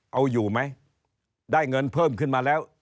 เอาอยู่ไหมได้เงินเพิ่มขึ้นมาแล้ว